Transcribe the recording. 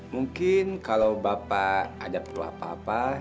mungkin kalau bapak ada perlu apa apa